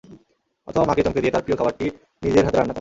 অথবা মাকে চমকে দিয়ে তাঁর প্রিয় খাবারটি নিজের হাতে রান্না করে।